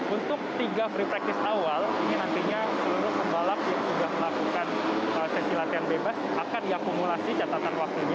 untuk tiga free practice awal ini nantinya seluruh pembalap yang sudah melakukan sesi latihan bebas akan diakumulasi catatan waktunya